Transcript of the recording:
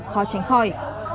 khó tránh khỏi